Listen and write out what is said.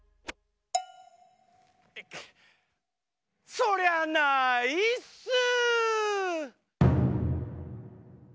そりゃないっすー！